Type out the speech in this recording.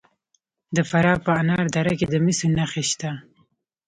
د فراه په انار دره کې د مسو نښې شته.